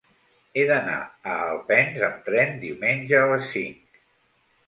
He d'anar a Alpens amb tren diumenge a les cinc.